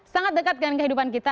sangat dekat dengan kehidupan kita